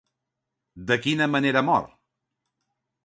De quina manera mor?